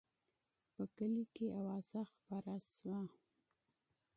په کلي کې اوازه خپره شوه.